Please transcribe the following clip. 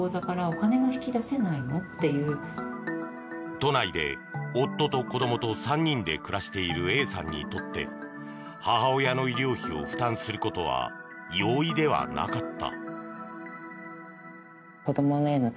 都内で夫と子どもと３人で暮らしているＡさんにとって母親の医療費を負担することは容易ではなかった。